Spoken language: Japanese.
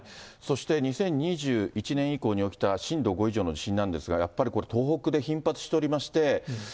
そして２０２１年以降に起きた震度５以上の地震なんですけれども、やっぱりこれ、東北で頻発しておりまして。